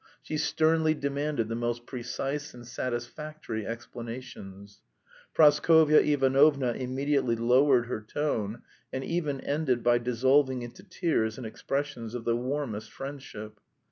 She sternly demanded the most precise and satisfactory explanations. Praskovya Ivanovna immediately lowered her tone and even ended by dissolving into tears and expressions of the warmest friendship.